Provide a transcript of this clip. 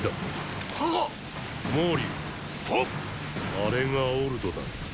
あれがオルドだ。